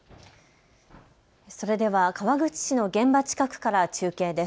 それでは川口市の現場近くから中継です。